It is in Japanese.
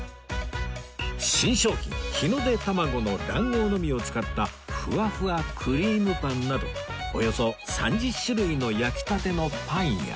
新商品日の出たまごの卵黄のみを使ったふわふわクリームパンなどおよそ３０種類の焼きたてのパンや